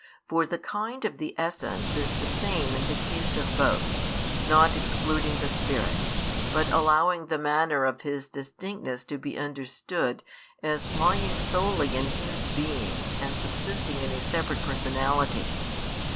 For the kind of the |302 essence is the same in the case of Both, not excluding the Spirit, but allowing the manner of His distinctness to be understood as lying solely in His being and subsisting in a separate personality.